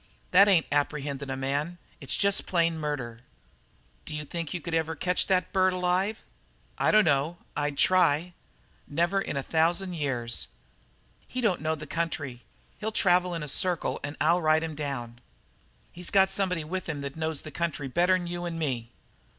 That ain't apprehendin' a man. It's jest plain murder." "D'you think you could ever catch that bird alive?" "Dunno, I'd try." "Never in a thousand years." "He don't know the country. He'll travel in a circle and I'll ride him down." "He's got somebody with him that knows the country better'n you or me."